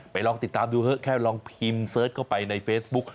ลองติดตามดูเถอะแค่ลองพิมพ์เสิร์ชเข้าไปในเฟซบุ๊ก